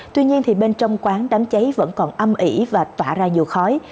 tuy nhiên bên trong quán đám cháy vẫn còn âm ỉ và tỏa ra nhiều khói